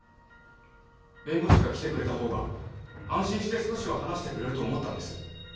弁護士が来てくれた方が安心して少しは話してくれると思ったんです。